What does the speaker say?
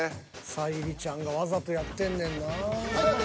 ［沙莉ちゃんがわざとやってんねんなぁ］